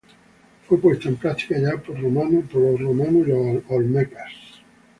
Fue puesta en práctica ya por romanos y olmecas.